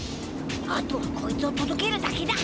あとはこいつをとどけるだけだ。